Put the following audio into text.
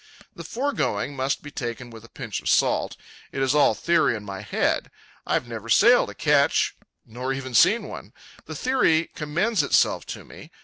The foregoing must be taken with a pinch of salt. It is all theory in my head. I've never sailed a ketch, nor even seen one. The theory commends itself to me.